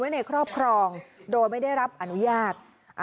ในครอบครองโดยไม่ได้รับอนุญาต